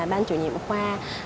ban chủ nhiệm khoa